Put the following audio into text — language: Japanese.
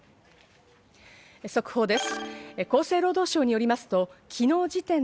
速報です。